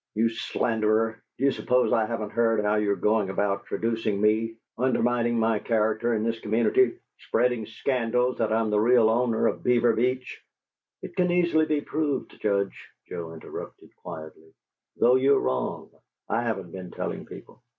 "You slanderer, do you suppose I haven't heard how you're going about traducing me, undermining my character in this community, spreading scandals that I am the real owner of Beaver Beach " "It can easily be proved, Judge," Joe interrupted, quietly, "though you're wrong: I haven't been telling people.